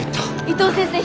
伊藤先生